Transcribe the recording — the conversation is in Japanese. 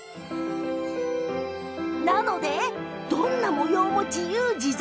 なので、どんな模様も自由自在。